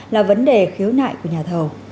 là vấn đề khiếu nại của nhà thầu